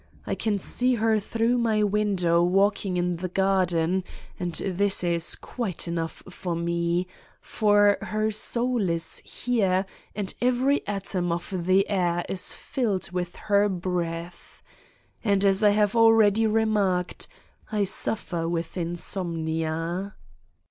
I can see her through my window walking in the garden, and this is quite enough for me, for her soul is here and every atom of the air is filled with her breath. And, as I have al ready remarked, I suffer with insomnia.